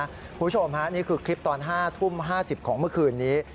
คุณผู้ชมฮะนี่คือคลิปตอน๕ทุ่ม๕๐ของเมื่อคืนนี้